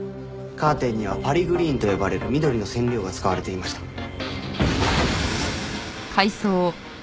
カーテンにはパリグリーンと呼ばれる緑の染料が使われていました。